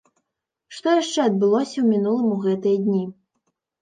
Што яшчэ адбылося ў мінулым у гэтыя дні?